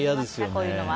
こういうのは。